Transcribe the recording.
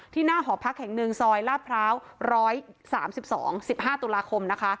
หน้าหอพักแห่งหนึ่งซอยลาดพร้าว๑๓๒๑๕ตุลาคมนะคะ